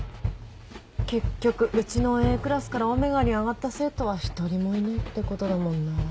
結局うちのＡクラスからΩに上がった生徒は一人もいないってことだもんな。